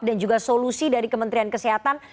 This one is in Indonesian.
dan juga solusi dari kementerian kesehatan